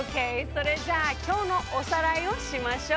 それじゃあきょうのおさらいをしましょう！